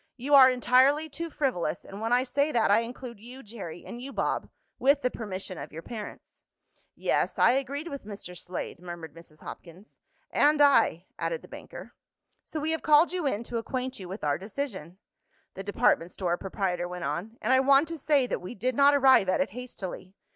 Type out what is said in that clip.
You are entirely too frivolous, and when I say that I include you, Jerry, and you, Bob, with the permission of your parents." "Yes, I agreed with Mr. Slade," murmured Mrs. Hopkins. "And I," added the banker. "So we have called you in to acquaint you with our decision," the department store proprietor went on. "And I want to say that we did not arrive at it hastily.